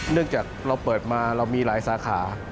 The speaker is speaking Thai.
จากเราเปิดมาเรามีหลายสาขา